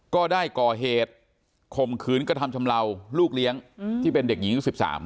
ก็ได้ก่อเหตุข่มขืนกระทำชำเลาลูกเลี้ยงที่เป็นเด็กหญิงอายุ๑๓